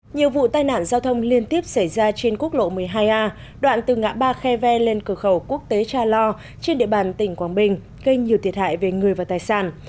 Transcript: nhiều vụ tai nạn giao thông liên tiếp xảy ra trên quốc lộ một mươi hai a đoạn từ ngã ba khe ve lên cửa khẩu quốc tế cha lo trên địa bàn tỉnh quảng bình gây nhiều thiệt hại về người và tài sản